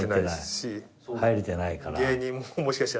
入れてないから。